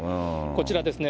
こちらですね。